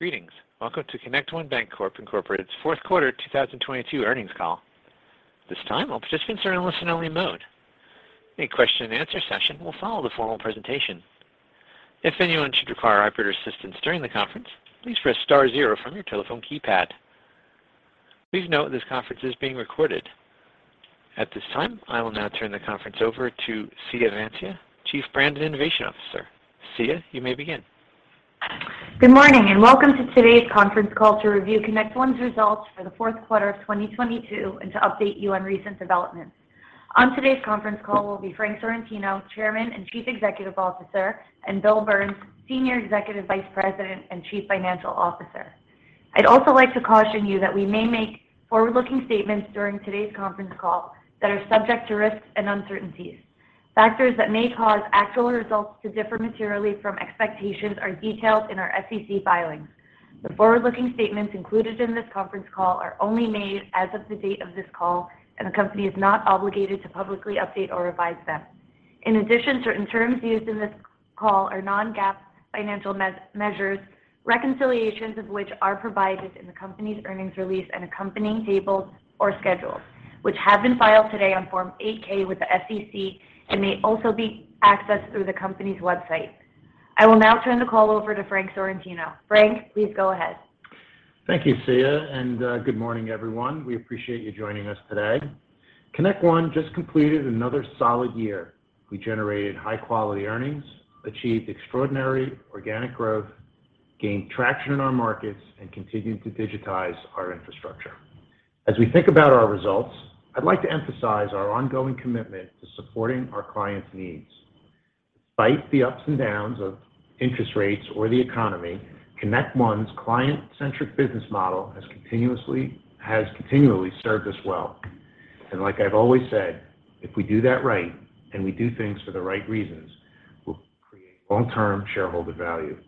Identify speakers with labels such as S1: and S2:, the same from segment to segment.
S1: Greetings. Welcome to ConnectOne Bancorp, Inc.'s Q4 2022 earnings call. At this time, all participants are in listen-only mode. A question and answer session will follow the formal presentation. If anyone should require operator assistance during the conference, please press star zero from your telephone keypad. Please note this conference is being recorded. At this time, I will now turn the conference over to Siya Vansia, Chief Brand and Innovation Officer. Siya, you may begin.
S2: Good morning. Welcome to today's conference call to review ConnectOne's results for the Q4 of 2022 and to update you on recent developments. On today's conference call will be Frank Sorrentino, Chairman and Chief Executive Officer, and William Burns, Senior Executive Vice President and Chief Financial Officer. I'd also like to caution you that we may make forward-looking statements during today's conference call that are subject to risks and uncertainties. Factors that may cause actual results to differ materially from expectations are detailed in our SEC filings. The forward-looking statements included in this conference call are only made as of the date of this call. The company is not obligated to publicly update or revise them. In addition, certain terms used in this call are non-GAAP financial measures, reconciliations of which are provided in the company's earnings release and accompanying tables or schedules, which have been filed today on Form 8-K with the SEC and may also be accessed through the company's website. I will now turn the call over to Frank Sorrentino. Frank, please go ahead.
S3: Thank you, Siya. Good morning, everyone. We appreciate you joining us today. ConnectOne just completed another solid year. We generated high-quality earnings, achieved extraordinary organic growth, gained traction in our markets, and continued to digitize our infrastructure. As we think about our results, I'd like to emphasize our ongoing commitment to supporting our clients' needs. Despite the ups and downs of interest rates or the economy, ConnectOne's client-centric business model has continually served us well. Like I've always said, if we do that right and we do things for the right reasons, we'll create long-term shareholder value.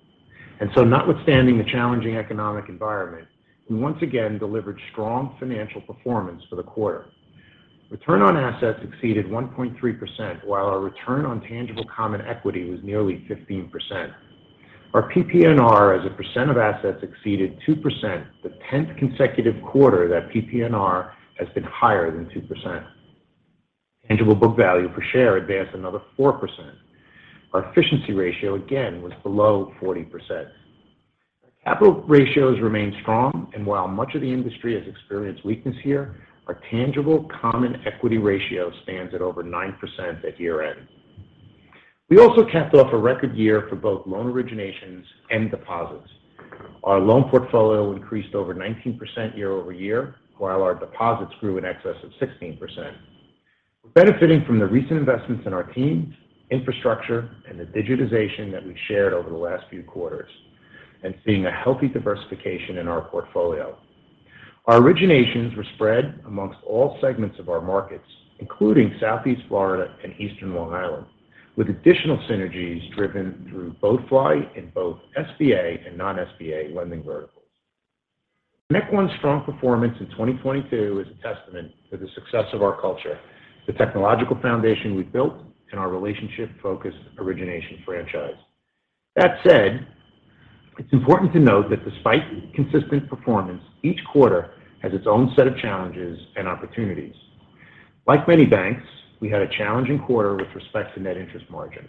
S3: Notwithstanding the challenging economic environment, we once again delivered strong financial performance for the quarter. Return on assets exceeded 1.3%, while our return on tangible common equity was nearly 15%. Our PPNR as a percent of assets exceeded 2%, the tenth consecutive quarter that PPNR has been higher than 2%. Tangible book value per share advanced another 4%. Our efficiency ratio again was below 40%. Our capital ratios remain strong, and while much of the industry has experienced weakness here, our tangible common equity ratio stands at over 9% at year-end. We also capped off a record year for both loan originations and deposits. Our loan portfolio increased over 19% year-over-year, while our deposits grew in excess of 16%. We're benefiting from the recent investments in our teams, infrastructure, and the digitization that we've shared over the last few quarters and seeing a healthy diversification in our portfolio. Our originations were spread amongst all segments of our markets, including Southeast Florida and Eastern Long Island, with additional synergies driven through BoeFly and both SBA and non-SBA lending verticals. ConnectOne's strong performance in 2022 is a testament to the success of our culture, the technological foundation we've built, and our relationship-focused origination franchise. That said, it's important to note that despite consistent performance, each quarter has its own set of challenges and opportunities. Like many banks, we had a challenging quarter with respect to net interest margin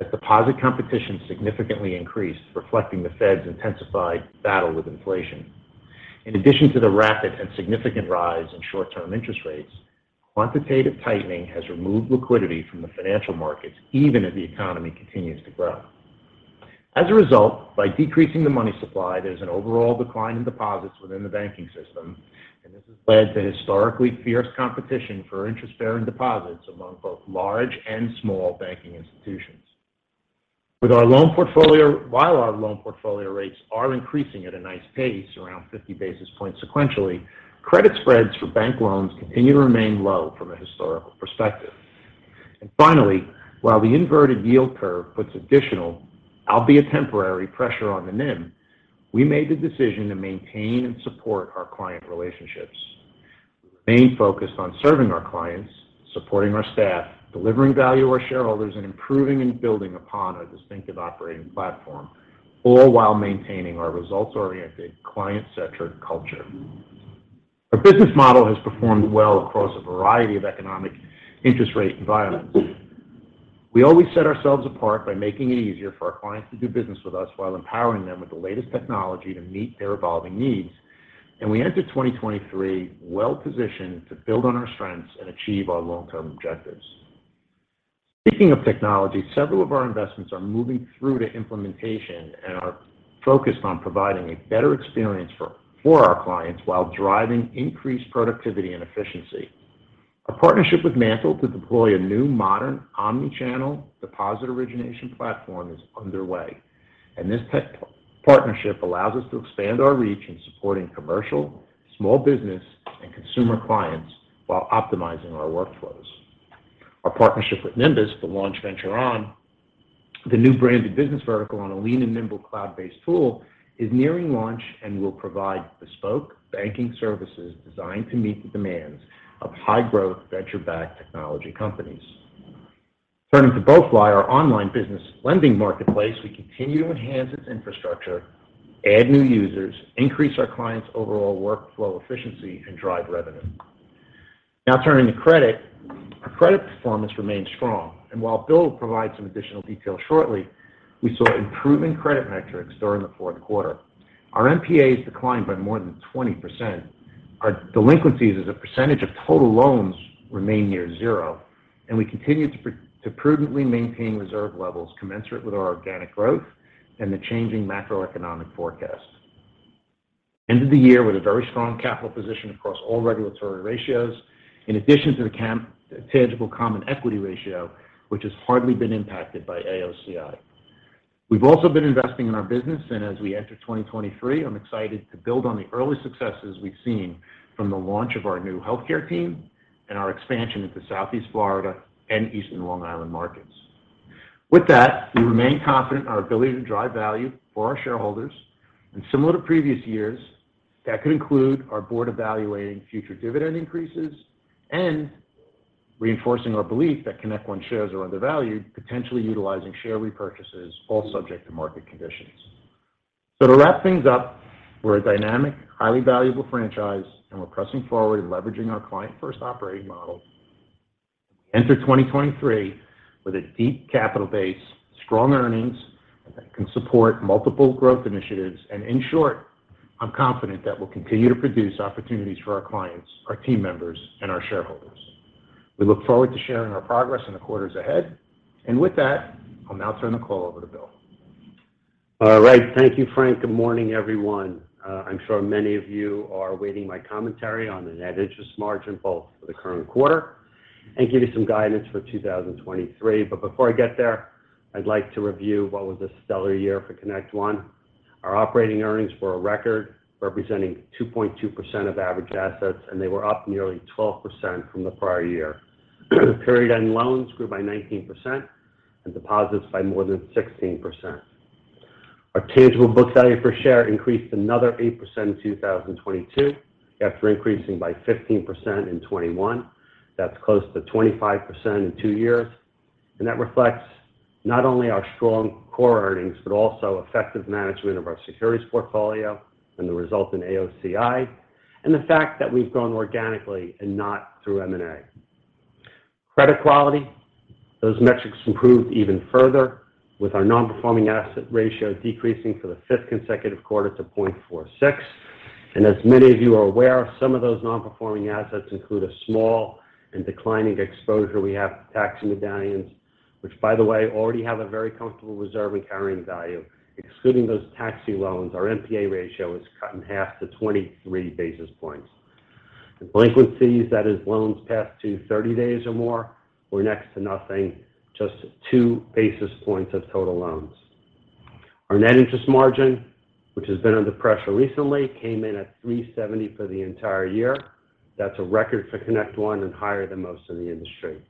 S3: as deposit competition significantly increased, reflecting the Fed's intensified battle with inflation. In addition to the rapid and significant rise in short-term interest rates, quantitative tightening has removed liquidity from the financial markets even as the economy continues to grow. As a result, by decreasing the money supply, there's an overall decline in deposits within the banking system, and this has led to historically fierce competition for interest-bearing deposits among both large and small banking institutions. While our loan portfolio rates are increasing at a nice pace, around 50 basis points sequentially, credit spreads for bank loans continue to remain low from a historical perspective. Finally, while the inverted yield curve puts additional, albeit temporary, pressure on the NIM, we made the decision to maintain and support our client relationships. We remain focused on serving our clients, supporting our staff, delivering value to our shareholders, and improving and building upon our distinctive operating platform, all while maintaining our results-oriented, client-centric culture. Our business model has performed well across a variety of economic interest rate environments. We always set ourselves apart by making it easier for our clients to do business with us while empowering them with the latest technology to meet their evolving needs. We enter 2023 well-positioned to build on our strengths and achieve our long-term objectives. Speaking of technology, several of our investments are moving through to implementation and are focused on providing a better experience for our clients while driving increased productivity and efficiency. Our partnership with MANTL to deploy a new modern omni-channel deposit origination platform is underway. This tech partnership allows us to expand our reach in supporting commercial, small business, and consumer clients while optimizing our workflows. Our partnership with Nymbus to launch Venture On, the new branded business vertical on a lean and nimble cloud-based tool, is nearing launch and will provide bespoke banking services designed to meet the demands of high-growth, venture-backed technology companies. Turning to BoeFly, our online business lending marketplace, we continue to enhance its infrastructure, add new users, increase our clients' overall workflow efficiency, and drive revenue. Turning to credit. Our credit performance remains strong, and while Bill will provide some additional detail shortly, we saw improvement in credit metrics during the Q4. Our NPAs declined by more than 20%. Our delinquencies as a percentage of total loans remain near zero, and we continue to prudently maintain reserve levels commensurate with our organic growth and the changing macroeconomic forecast. End of the year with a very strong capital position across all regulatory ratios, in addition to the tangible common equity ratio, which has hardly been impacted by AOCI. We've also been investing in our business, and as we enter 2023, I'm excited to build on the early successes we've seen from the launch of our new healthcare team and our expansion into Southeast Florida and Eastern Long Island markets. With that, we remain confident in our ability to drive value for our shareholders. Similar to previous years, that could include our board evaluating future dividend increases and reinforcing our belief that ConnectOne shares are undervalued, potentially utilizing share repurchases, all subject to market conditions. To wrap things up, we're a dynamic, highly valuable franchise, and we're pressing forward leveraging our client-first operating model. Enter 2023 with a deep capital base, strong earnings that can support multiple growth initiatives. In short, I'm confident that we'll continue to produce opportunities for our clients, our team members, and our shareholders. We look forward to sharing our progress in the quarters ahead. With that, I'll now turn the call over to Bill.
S4: All right. Thank you, Frank. Good morning, everyone. I'm sure many of you are awaiting my commentary on the net interest margin, both for the current quarter and give you some guidance for 2023. Before I get there, I'd like to review what was a stellar year for ConnectOne. Our operating earnings were a record representing 2.2% of average assets, and they were up nearly 12% from the prior year. Period-end loans grew by 19% and deposits by more than 16%. Our tangible book value per share increased another 8% in 2022 after increasing by 15% in 2021. That's close to 25% in two years. That reflects not only our strong core earnings, but also effective management of our securities portfolio and the result in AOCI and the fact that we've grown organically and not through M&A. Credit quality, those metrics improved even further with our non-performing asset ratio decreasing for the fifth consecutive quarter to 0.46. As many of you are aware, some of those non-performing assets include a small and declining exposure we have to taxi medallions, which, by the way, already have a very comfortable reserve and carrying value. Excluding those taxi loans, our NPA ratio is cut in half to 23 basis points. Delinquencies, that is, loans past due 30 days or more, were next to nothing, just 2 basis points of total loans. Our net interest margin, which has been under pressure recently, came in at 3.70 for the entire year. That's a record for ConnectOne and higher than most in the industry.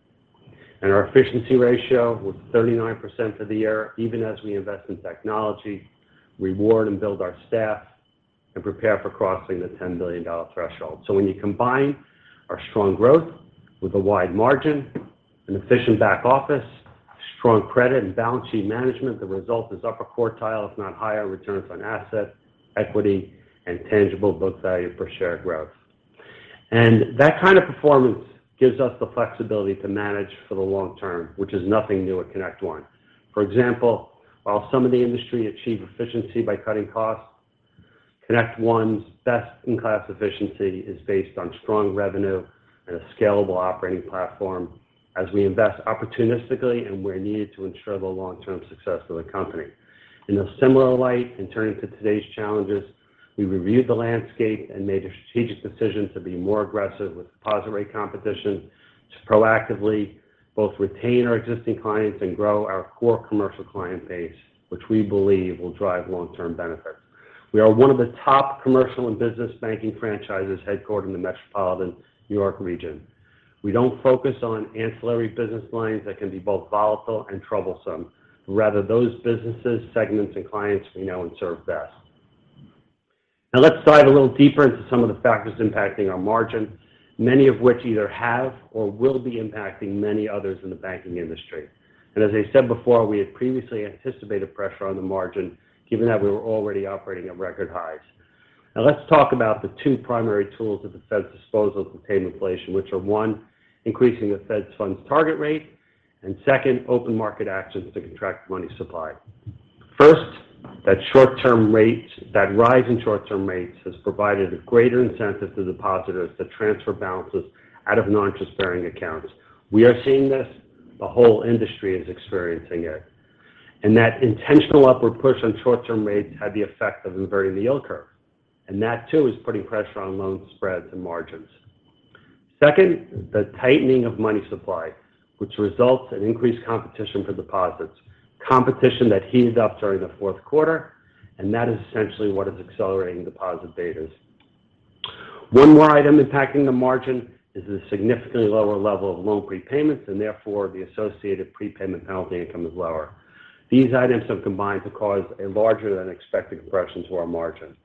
S4: Our efficiency ratio was 39% for the year, even as we invest in technology, reward and build our staff, and prepare for crossing the $10 billion threshold. When you combine our strong growth with a wide margin, an efficient back office, strong credit and balance sheet management, the result is upper quartile, if not higher, returns on assets, equity, and tangible book value per share growth. That kind of performance gives us the flexibility to manage for the long term, which is nothing new at ConnectOne. For example, while some in the industry achieve efficiency by cutting costs, ConnectOne's best-in-class efficiency is based on strong revenue and a scalable operating platform as we invest opportunistically and where needed to ensure the long-term success of the company. In a similar light, in turning to today's challenges, we reviewed the landscape and made a strategic decision to be more aggressive with deposit rate competition to proactively both retain our existing clients and grow our core commercial client base, which we believe will drive long-term benefits. We are one of the top commercial and business banking franchises headquartered in the metropolitan New York region. We don't focus on ancillary business lines that can be both volatile and troublesome. Rather, those businesses, segments, and clients we know and serve best. Now let's dive a little deeper into some of the factors impacting our margin, many of which either have or will be impacting many others in the banking industry. As I said before, we had previously anticipated pressure on the margin, given that we were already operating at record highs. Let's talk about the two primary tools at the Fed's disposal to tame inflation, which are: one, increasing the Fed's funds target rate, and second, open market actions to contract money supply. First, that rise in short-term rates has provided a greater incentive to depositors to transfer balances out of non-interest-bearing accounts. We are seeing this. The whole industry is experiencing it. That intentional upward push on short-term rates had the effect of inverting the yield curve. That, too, is putting pressure on loan spreads and margins. Second, the tightening of money supply, which results in increased competition for deposits, competition that heated up during the Q4. That is essentially what is accelerating deposit betas. One more item impacting the margin is the significantly lower level of loan prepayments. Therefore, the associated prepayment penalty income is lower. These items have combined to cause a larger-than-expected compression to our margin.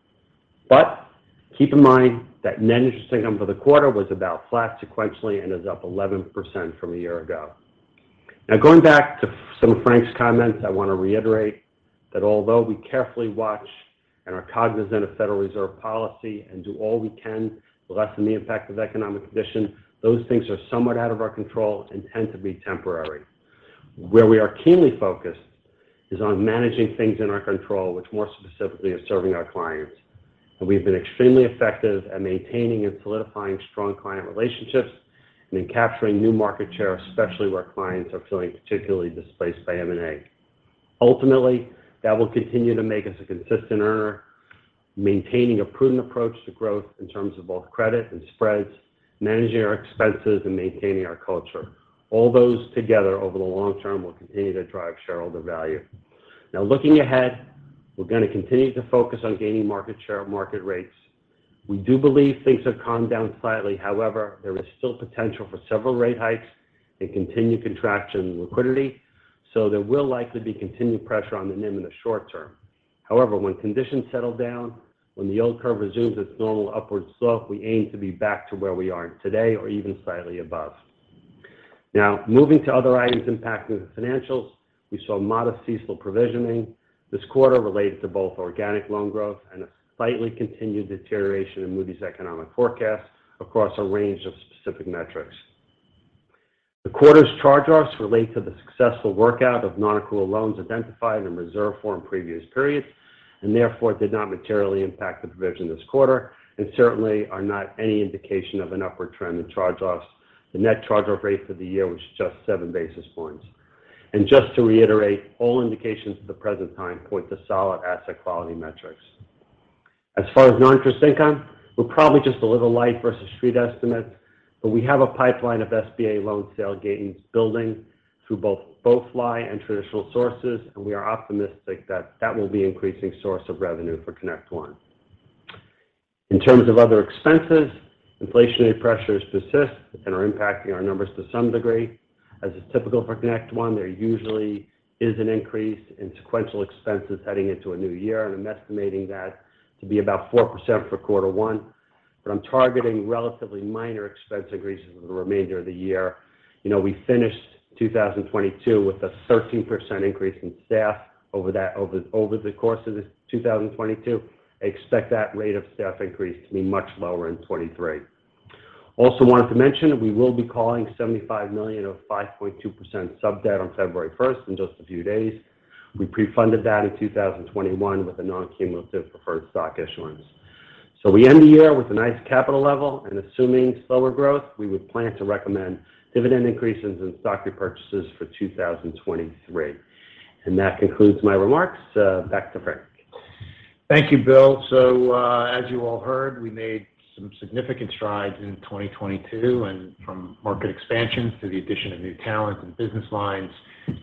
S4: Keep in mind that net interest income for the quarter was about flat sequentially and is up 11% from a year ago. Going back to some of Frank's comments, I want to reiterate that although we carefully watch and are cognizant of Federal Reserve policy and do all we can to lessen the impact of economic conditions, those things are somewhat out of our control and tend to be temporary. Where we are keenly focused is on managing things in our control, which more specifically is serving our clients. We've been extremely effective at maintaining and solidifying strong client relationships and in capturing new market share, especially where clients are feeling particularly displaced by M&A. Ultimately, that will continue to make us a consistent earner, maintaining a prudent approach to growth in terms of both credit and spreads, managing our expenses, and maintaining our culture. All those together over the long term will continue to drive shareholder value. Looking ahead, we're going to continue to focus on gaining market share and market rates. We do believe things have calmed down slightly. There is still potential for several rate hikes and continued contraction in liquidity, so there will likely be continued pressure on the NIM in the short term. When conditions settle down, when the yield curve resumes its normal upward slope, we aim to be back to where we are today or even slightly above. Moving to other items impacting the financials. We saw modest CECL provisioning this quarter related to both organic loan growth and a slightly continued deterioration in Moody's economic forecast across a range of specific metrics. The quarter's charge-offs relate to the successful workout of non-accrual loans identified in a reserve form previous periods and therefore did not materially impact the provision this quarter and certainly are not any indication of an upward trend in charge-offs. The net charge-off rate for the year was just 7 basis points. Just to reiterate, all indications at the present time point to solid asset quality metrics. As far as non-interest income, we're probably just a little light versus street estimates. We have a pipeline of SBA loan sale gains building through both BoeFly and traditional sources. We are optimistic that will be an increasing source of revenue for ConnectOne. In terms of other expenses, inflationary pressures persist and are impacting our numbers to some degree. As is typical for ConnectOne, there usually is an increase in sequential expenses heading into a new year. I'm estimating that to be about 4% for quarter one, but I'm targeting relatively minor expense increases for the remainder of the year. You know, we finished 2022 with a 13% increase in staff over the course of 2022. I expect that rate of staff increase to be much lower in 2023. Wanted to mention we will be calling $75 million of 5.2% sub-debt on February 1st in just a few days. We pre-funded that in 2021 with a non-cumulative preferred stock issuance. We end the year with a nice capital level, and assuming slower growth, we would plan to recommend dividend increases in stock repurchases for 2023. That concludes my remarks. Back to Frank. Thank you, Bill. As you all heard, we made some significant strides in 2022. From market expansion to the addition of new talent and business lines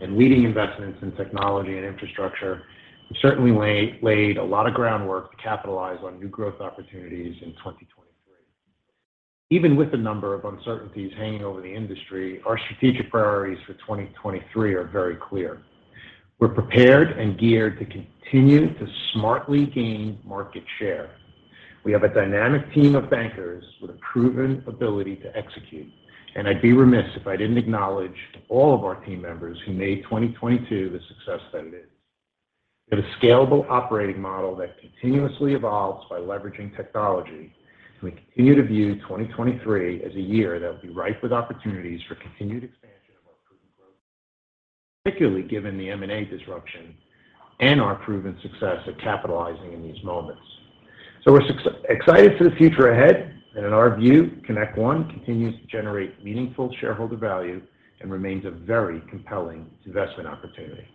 S4: and leading investments in technology and infrastructure, we certainly laid a lot of groundwork to capitalize on new growth opportunities in 2023. Even with the number of uncertainties hanging over the industry, our strategic priorities for 2023 are very clear. We're prepared and geared to continue to smartly gain market share. We have a dynamic team of bankers with a proven ability to execute. I'd be remiss if I didn't acknowledge all of our team members who made 2022 the success that it is. We have a scalable operating model that continuously evolves by leveraging technology, and we continue to view 2023 as a year that will be ripe with opportunities for continued expansion of our proven growth particularly given the M&A disruption and our proven success at capitalizing in these moments. We're excited for the future ahead. In our view, ConnectOne continues to generate meaningful shareholder value and remains a very compelling investment opportunity.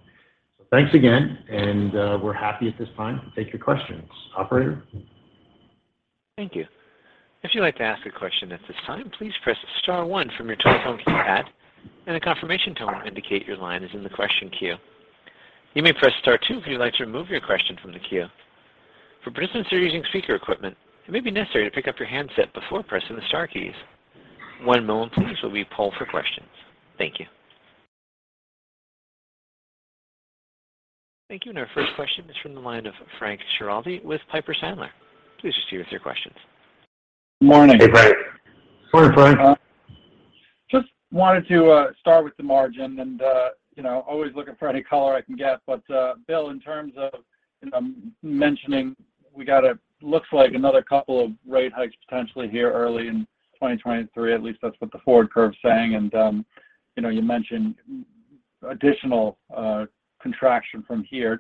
S4: Thanks again, and we're happy at this time to take your questions. Operator?
S1: Thank you. If you'd like to ask a question at this time, please press star 1 from your telephone keypad, and a confirmation tone will indicate your line is in the question queue. You may press star 2 if you'd like to remove your question from the queue. For participants who are using speaker equipment, it may be necessary to pick up your handset before pressing the star keys. One moment please while we poll for questions. Thank you. Thank you. Our first question is from the line of Frank Schiraldi with Piper Sandler. Please proceed with your questions.
S5: Morning.
S1: Hey, Frank.
S4: Morning, Frank.
S5: Wanted to start with the margin and, you know, always looking for any color I can get. Bill, in terms of, you know, mentioning looks like another couple of rate hikes potentially here early in 2023, at least that's what the forward curve is saying. You know, you mentioned additional contraction from here.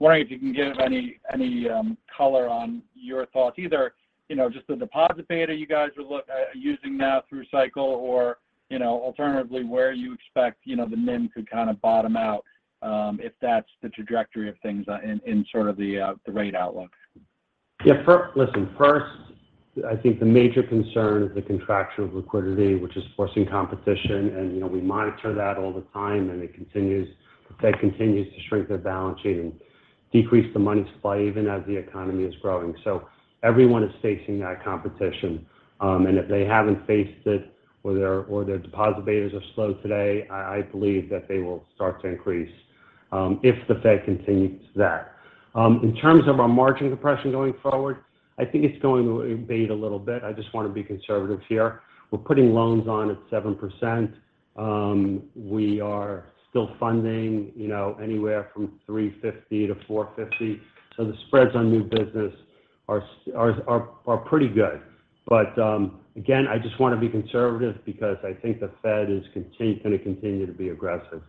S5: Wondering if you can give any color on your thoughts, either, you know, just the deposit beta you guys are using now through cycle or, you know, alternatively, where you expect, you know, the NIM to kind of bottom out, if that's the trajectory of things in sort of the rate outlook.
S4: Yeah. listen, first, I think the major concern is the contraction of liquidity, which is forcing competition. You know, we monitor that all the time, and it continues. The Fed continues to shrink their balance sheet and decrease the money supply even as the economy is growing. Everyone is facing that competition. If they haven't faced it or their deposit betas are slow today, I believe that they will start to increase. If the Fed continues that. In terms of our margin compression going forward, I think it's going to evade a little bit. I just want to be conservative here. We're putting loans on at 7%. We are still funding, you know, anywhere from 3.50% to 4.50%. The spreads on new business are pretty good. Again, I just want to be conservative because I think the Fed is going to continue to be aggressive.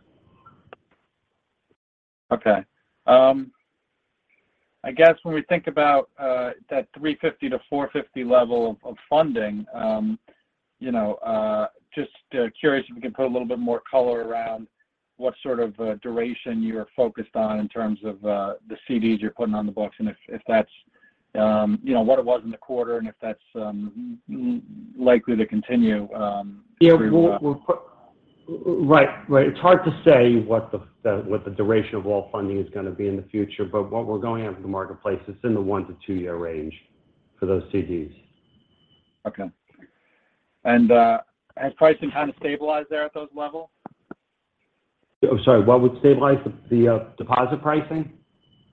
S5: Okay. I guess when we think about that $350-$450 level of funding, you know, just curious if you can put a little bit more color around what sort of duration you're focused on in terms of the CDs you're putting on the books and if that's, you know, what it was in the quarter, and if that's likely to continue?
S4: Yeah. Right. It's hard to say what the duration of all funding is going to be in the future, but what we're going after in the marketplace is in the one-to-two year range for those CDs.
S5: Okay. has pricing kind of stabilized there at those levels?
S4: I'm sorry, what would stabilize? The deposit pricing?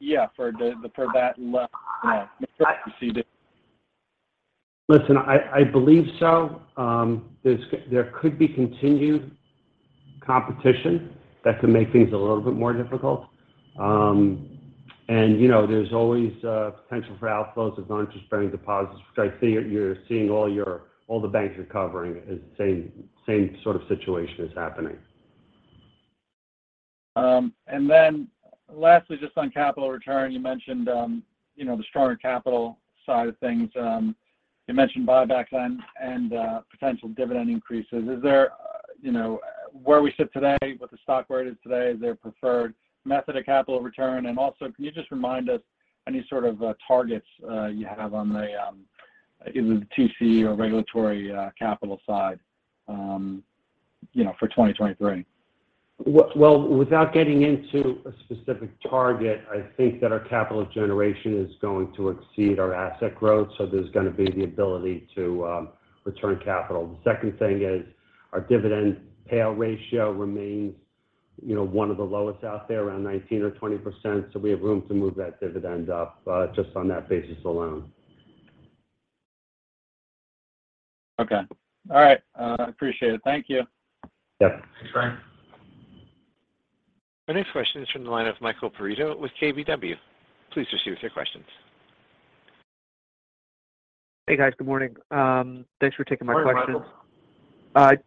S5: Yeah, for the, for that yeah.
S4: I-
S5: The CD.
S4: Listen, I believe so. There could be continued competition that could make things a little bit more difficult. You know, there's always potential for outflows of non-interest-bearing deposits, which I see you're seeing all the banks recovering as same sort of situation is happening.
S5: Lastly, just on capital return, you mentioned, you know, the stronger capital side of things. You mentioned buybacks and potential dividend increases. Is there, you know, where we sit today, what the stock rate is today, is there a preferred method of capital return? Also, can you just remind us any sort of targets you have on the either the TC or regulatory capital side, you know, for 2023?
S4: Well, without getting into a specific target, I think that our capital generation is going to exceed our asset growth, so there's going to be the ability to return capital. The second thing is our dividend payout ratio remains, you know, one of the lowest out there, around 19% or 20%. We have room to move that dividend up just on that basis alone.
S5: Okay. All right. Appreciate it. Thank you.
S4: Yep. Thanks, Frank.
S1: Our next question is from the line of Michael Perito with KBW. Please proceed with your questions.
S6: Hey, guys. Good morning. Thanks for taking my questions.
S4: Morning,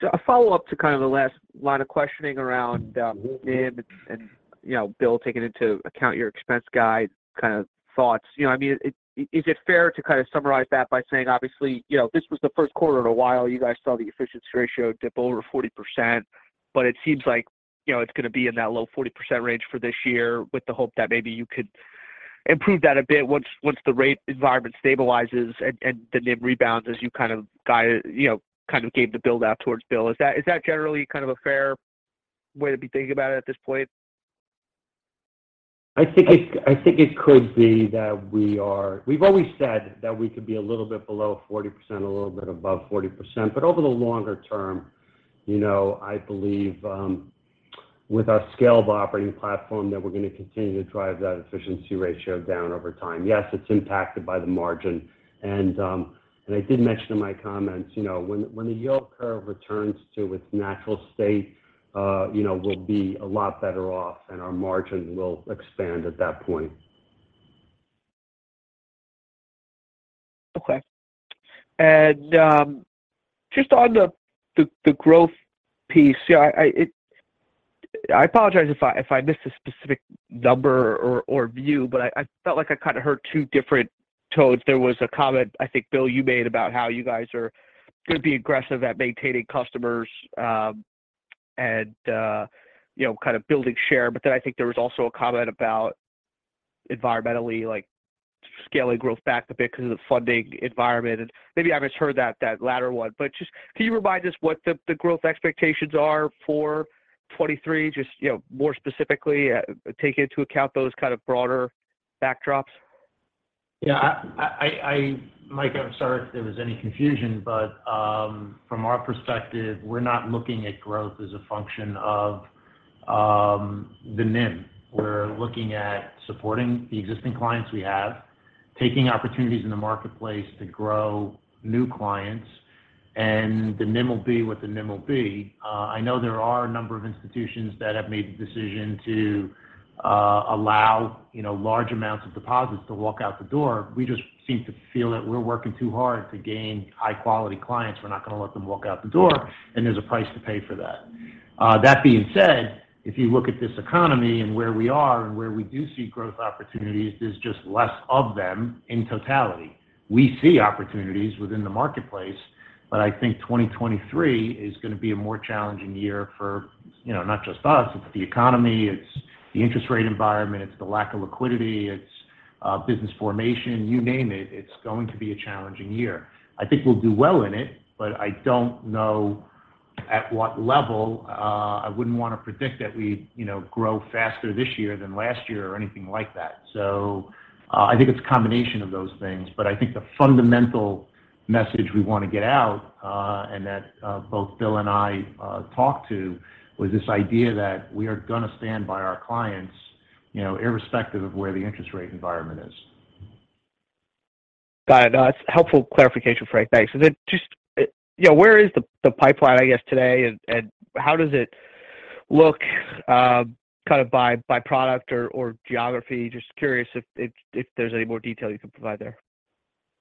S4: Michael.
S6: A follow-up to kind of the last line of questioning around NIM and, you know, Bill taking into account your expense guide kind of thoughts. You know, I mean, is it fair to kind of summarize that by saying obviously, you know, this was the Q1 in a while you guys saw the efficiency ratio dip over 40%, but it seems like, you know, it's going to be in that low 40% range for this year with the hope that maybe you could improve that a bit once the rate environment stabilizes and the NIM rebounds as you kind of guide, you know, gave the build-out towards Bill. Is that generally kind of a fair way to be thinking about it at this point?
S4: I think it could be that We've always said that we could be a little bit below 40%, a little bit above 40%. Over the longer term, you know, I believe, with our scale of operating platform, that we're going to continue to drive that efficiency ratio down over time. Yes, it's impacted by the margin. I did mention in my comments, you know, when the yield curve returns to its natural state, you know, we'll be a lot better off and our margin will expand at that point.
S6: Okay. Just on the growth piece. Yeah, I apologize if I missed a specific number or view, but I felt like I kind of heard two different tones. There was a comment I think, Bill, you made about how you guys are going to be aggressive at maintaining customers, and, you know, kind of building share. I think there was also a comment about environmentally, like, scaling growth back a bit because of the funding environment. Maybe I misheard that latter one. Just can you remind us what the growth expectations are for 2023 just, you know, more specifically, taking into account those kind of broader backdrops?
S4: Yeah. I Mike, I'm sorry if there was any confusion. From our perspective, we're not looking at growth as a function of the NIM. We're looking at supporting the existing clients we have. Taking opportunities in the marketplace to grow new clients, the NIM will be what the NIM will be. I know there are a number of institutions that have made the decision to allow, you know, large amounts of deposits to walk out the door. We just seem to feel that we're working too hard to gain high-quality clients, we're not going to let them walk out the door, and there's a price to pay for that. That being said, if you look at this economy and where we are and where we do see growth opportunities, there's just less of them in totality. We see opportunities within the marketplace, but I think 2023 is going to be a more challenging year for, you know, not just us, it's the economy, it's the interest rate environment, it's the lack of liquidity, it's business formation. You name it's going to be a challenging year. I think we'll do well in it, but I don't know at what level. I wouldn't want to predict that we, you know, grow faster this year than last year or anything like that. I think it's a combination of those things. I think the fundamental message we want to get out, and that both Bill and I talked to was this idea that we are gonna stand by our clients, you know, irrespective of where the interest rate environment is.
S6: Got it. That's helpful clarification, Frank. Thanks. Is it, you know, where is the pipeline, I guess today and how does it look, kind of by product or geography? Just curious if there's any more detail you can provide there.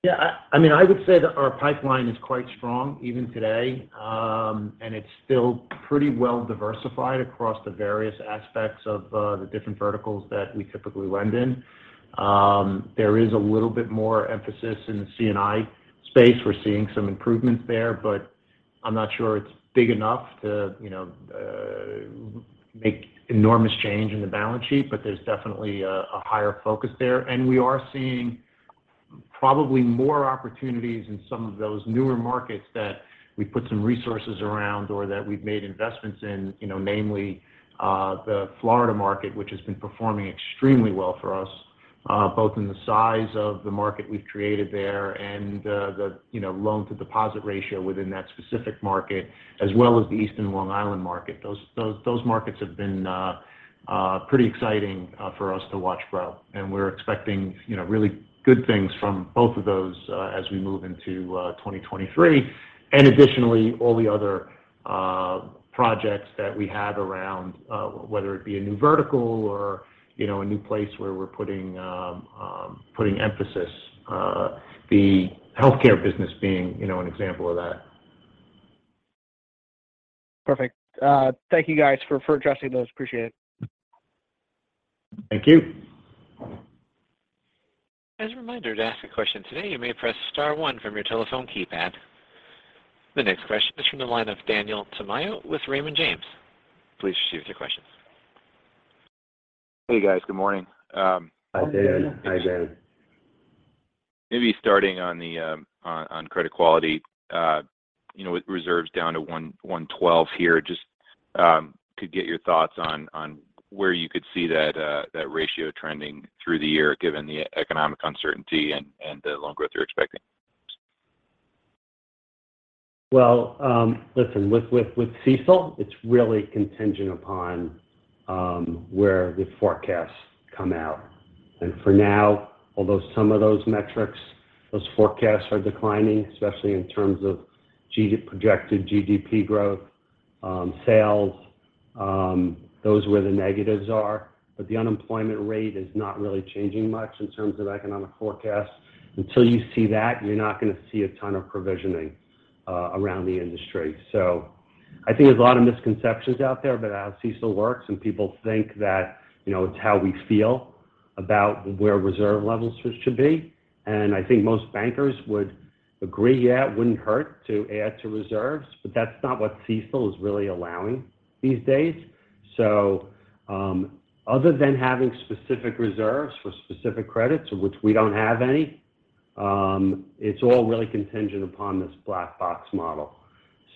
S4: Yeah, I mean, I would say that our pipeline is quite strong even today, and it's still pretty well diversified across the various aspects of the different verticals that we typically lend in. There is a little bit more emphasis in the C&I space. We're seeing some improvements there, but I'm not sure it's big enough to, you know, make enormous change in the balance sheet. There's definitely a higher focus there. We are seeing probably more opportunities in some of those newer markets that we put some resources around or that we've made investments in. You know, namely, the Florida market, which has been performing extremely well for us, both in the size of the market we've created there and, you know, loan to deposit ratio within that specific market, as well as the Eastern Long Island market. Those markets have been pretty exciting for us to watch grow. We're expecting, you know, really good things from both of those as we move into 2023. Additionally, all the other projects that we have around, whether it be a new vertical or, you know, a new place where we're putting emphasis, the healthcare business being, you know, an example of that.
S6: Perfect. Thank you guys for addressing those. Appreciate it.
S4: Thank you.
S1: As a reminder, to ask a question today, you may press star one from your telephone keypad. The next question is from the line of Daniel Tamayo with Raymond James. Please proceed with your questions.
S7: Hey, guys. Good morning.
S4: Hi, Dan. Hi, Dan.
S7: Maybe starting on the credit quality, you know, with reserves down to 112 here, just could get your thoughts on where you could see that ratio trending through the year, given the economic uncertainty and the loan growth you're expecting?
S4: Well, listen, with CECL, it's really contingent upon where the forecasts come out. For now, although some of those metrics, those forecasts are declining, especially in terms of projected GDP growth, sales, those are where the negatives are. The unemployment rate is not really changing much in terms of economic forecasts. Until you see that, you're not gonna see a ton of provisioning around the industry. I think there's a lot of misconceptions out there about how CECL works, and people think that, you know, it's how we feel about where reserve levels should be. I think most bankers would agree, yeah, it wouldn't hurt to add to reserves, but that's not what CECL is really allowing these days. Other than having specific reserves for specific credits, of which we don't have any, it's all really contingent upon this black box model.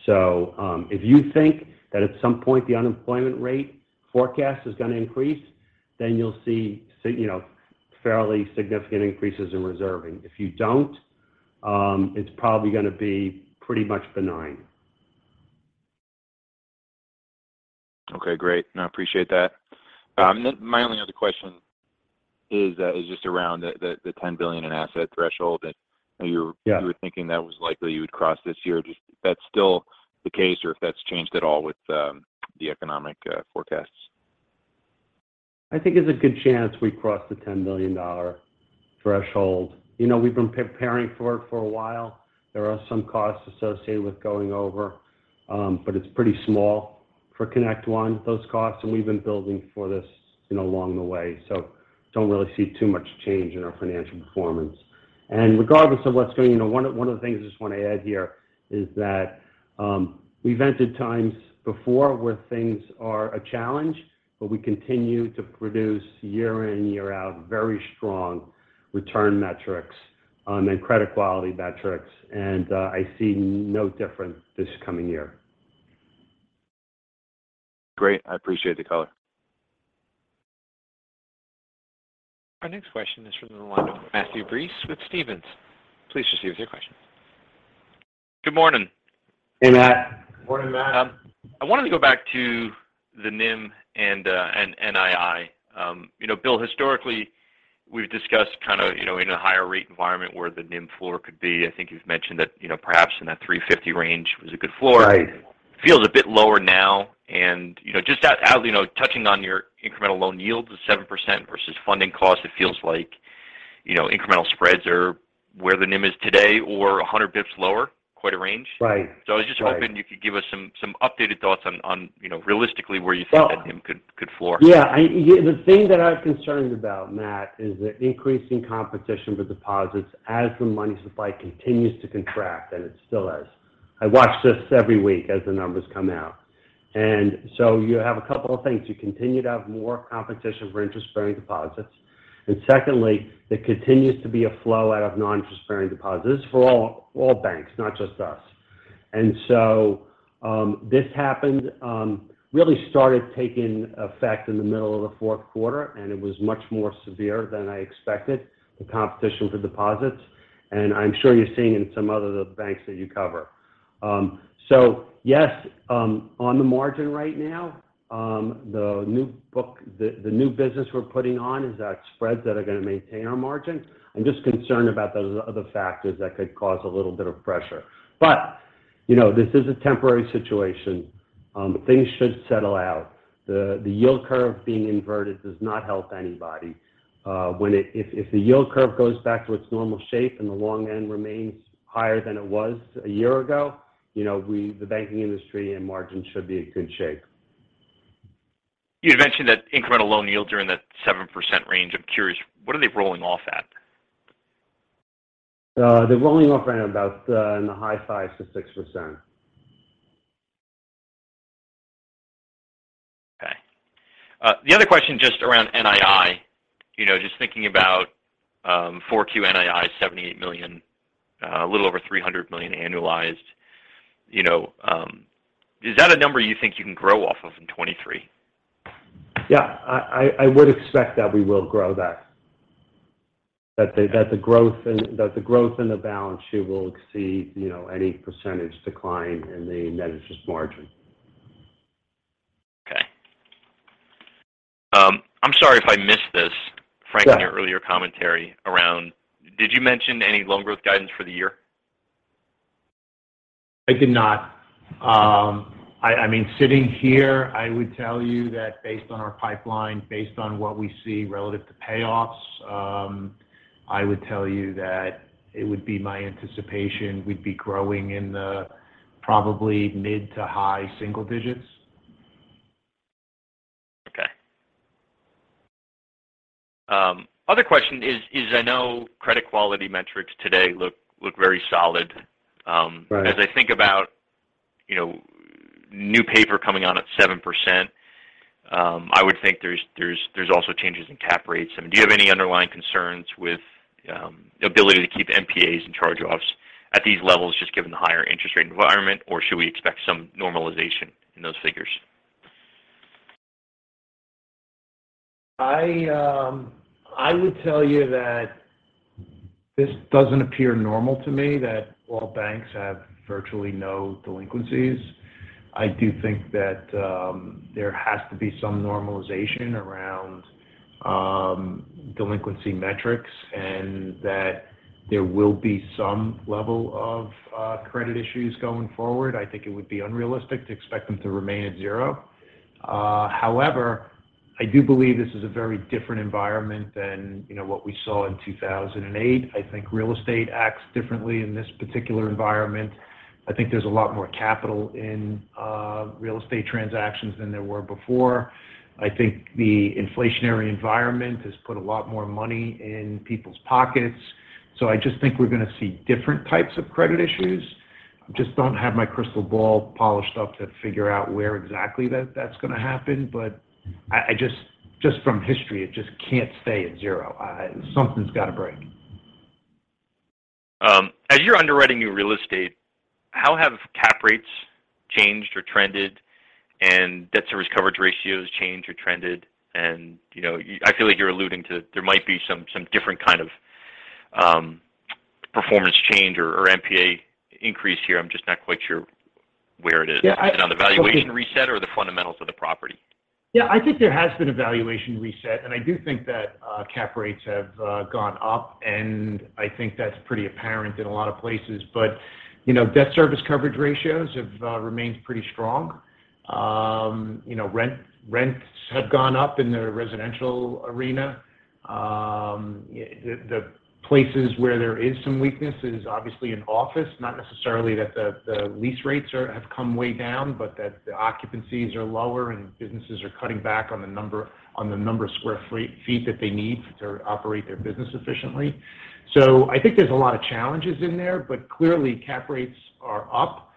S4: If you think that at some point the unemployment rate forecast is gonna increase, then you'll see you know, fairly significant increases in reserving. If you don't, it's probably gonna be pretty much benign.
S7: Okay, great. No, I appreciate that. My only other question is just around the $10 billion in Asset Threshold.
S4: Yeah...
S7: you were thinking that was likely you would cross this year. Just if that's still the case or if that's changed at all with the economic forecasts.
S4: I think there's a good chance we cross the $10 billion asset threshold. You know, we've been preparing for it for a while. There are some costs associated with going over, but it's pretty small for ConnectOne, those costs, and we've been building for this, you know, along the way. Don't really see too much change in our financial performance. Regardless of you know, one of the things I just wanna add here is that we've entered times before where things are a challenge, but we continue to produce year in, year out, very strong return metrics, and credit quality metrics. I see no different this coming year.
S7: Great. I appreciate the color.
S1: Our next question is from the line of Matthew Breese with Stephens. Please proceed with your question.
S8: Good morning.
S4: Hey, Matt.
S6: Morning, Matt.
S8: I wanted to go back to the NIM and NII. You know, Bill, historically, we've discussed kind of, you know, in a higher rate environment where the NIM floor could be. I think you've mentioned that, you know, perhaps in that 3.50% range was a good floor.
S4: Right.
S8: Feels a bit lower now. You know, just as, you know, touching on your incremental loan yields of 7% versus funding costs, it feels like, you know, incremental spreads are where the NIM is today or 100 bips lower, quite a range.
S4: Right. Right.
S8: I was just hoping you could give us some updated thoughts on, you know, realistically where you think that NIM could floor?
S4: Yeah. The thing that I'm concerned about, Matt, is the increasing competition for deposits as the money supply continues to contract, and it still is. I watch this every week as the numbers come out. You have a couple of things. You continue to have more competition for interest-bearing deposits. Secondly, there continues to be a flow out of non-interest-bearing deposits. This is for all banks, not just us.
S3: This happened, really started taking effect in the middle of the Q4, and it was much more severe than I expected, the competition for deposits. I'm sure you're seeing in some other banks that you cover. Yes, on the margin right now, the new business we're putting on is that spreads that are gonna maintain our margin. I'm just concerned about the other factors that could cause a little bit of pressure. You know, this is a temporary situation. Things should settle out. The yield curve being inverted does not help anybody. If the yield curve goes back to its normal shape and the long end remains higher than it was a year ago, you know, the banking industry and margins should be in good shape.
S8: You had mentioned that incremental loan yields are in the 7% range. I'm curious, what are they rolling off at?
S3: They're rolling off around about, in the high 5%-6%.
S8: Okay. The other question just around NII. You know, just thinking about 4Q NII, $78 million, a little over $300 million annualized. You know, is that a number you think you can grow off of in 2023?
S3: Yeah. I would expect that we will grow that. That the growth in the balance sheet will exceed, you know, any % decline in the net interest margin.
S8: Okay. I'm sorry if I missed this-
S3: Yeah.
S8: Frank, Did you mention any loan growth guidance for the year?
S3: I did not. I mean, sitting here, I would tell you that based on our pipeline, based on what we see relative to payoffs, I would tell you that it would be my anticipation we'd be growing in the probably mid to high single digits.
S8: Okay. other question is I know credit quality metrics today look very solid.
S3: Right.
S8: As I think about, you know, new paper coming on at 7%, I would think there's also changes in cap rates. I mean, do you have any underlying concerns with the ability to keep NPAs and charge-offs at these levels just given the higher interest rate environment, or should we expect some normalization in those figures?
S3: I would tell you that this doesn't appear normal to me that all banks have virtually no delinquencies. I do think that there has to be some normalization around delinquency metrics, and that there will be some level of credit issues going forward. I think it would be unrealistic to expect them to remain at 0. However, I do believe this is a very different environment than, you know, what we saw in 2008. I think real estate acts differently in this particular environment. I think there's a lot more capital in real estate transactions than there were before. I think the inflationary environment has put a lot more money in people's pockets. I just think we're gonna see different types of credit issues. Just don't have my crystal ball polished up to figure out where exactly that's gonna happen. I just from history, it just can't stay at 0. Something's gotta break.
S8: As you're underwriting new real estate, how have cap rates changed or trended, and debt service coverage ratios changed or trended and, you know. I feel like you're alluding to there might be some different kind of performance change or NPA increase here. I'm just not quite sure where it is.
S3: Yeah.
S8: Is it on the valuation reset or the fundamentals of the property?
S3: Yeah, I think there has been a valuation reset, and I do think that cap rates have gone up, and I think that's pretty apparent in a lot of places. You know, debt service coverage ratios have remained pretty strong. You know, rents have gone up in the residential arena. The places where there is some weakness is obviously in office, not necessarily that the lease rates have come way down, but that the occupancies are lower and businesses are cutting back on the number of square feet that they need to operate their business efficiently. I think there's a lot of challenges in there, but clearly cap rates are up.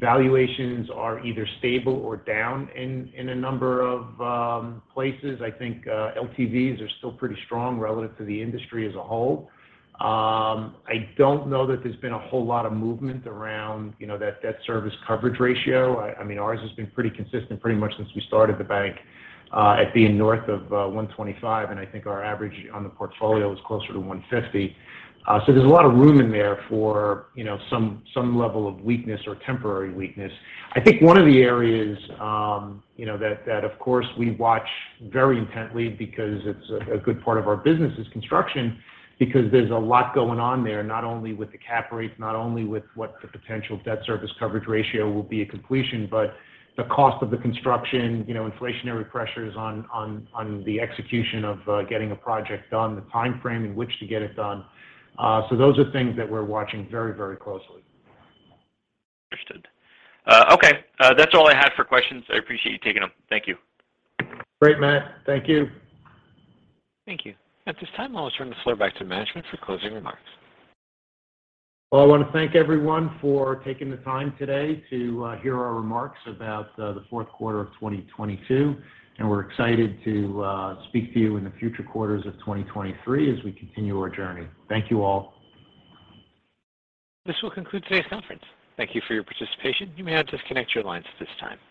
S3: Valuations are either stable or down in a number of places. I think LTVs are still pretty strong relative to the industry as a whole. I don't know that there's been a whole lot of movement around, you know, that debt service coverage ratio. I mean, ours has been pretty consistent pretty much since we started the bank, at being north of 125, and I think our average on the portfolio is closer to 150. There's a lot of room in there for, you know, some level of weakness or temporary weakness. I think one of the areas, you know, that of course we watch very intently because it's a good part of our business is construction because there's a lot going on there, not only with the cap rates, not only with what the potential debt service coverage ratio will be at completion, but the cost of the construction, you know, inflationary pressures on the execution of getting a project done, the timeframe in which to get it done. Those are things that we're watching very, very closely.
S8: Understood. Okay. That's all I had for questions. I appreciate you taking them. Thank you.
S3: Great, Matt. Thank you.
S1: Thank you. At this time, I'll turn this floor back to management for closing remarks.
S3: Well, I wanna thank everyone for taking the time today to hear our remarks about the Q4 of 2022. We're excited to speak to you in the future quarters of 2023 as we continue our journey. Thank you all.
S1: This will conclude today's conference. Thank you for your participation. You may now disconnect your lines at this time.